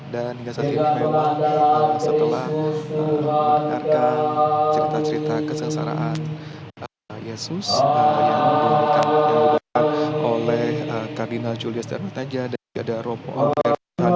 dan hingga saat ini memang setelah mendengarkan cerita cerita kesengsaraan yesus yang dibuat oleh kardinal julius dermetaja dan jadaromo herberto